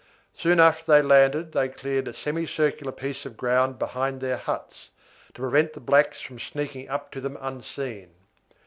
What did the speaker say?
Soon after they landed they cleared a semi circular piece of ground behind their tents, to prevent the blacks from sneaking up to them unseen.